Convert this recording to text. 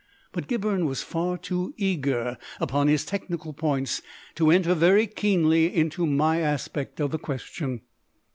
But Gibberne was far too eager upon his technical points to enter very keenly into my aspect of the question.